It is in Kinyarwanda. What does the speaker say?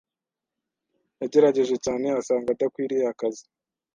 Yagerageje cyane asanga adakwiriye akazi.